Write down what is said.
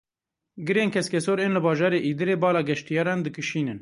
Girên keskesor ên li bajarê Îdirê bala geştiyaran dikişînin.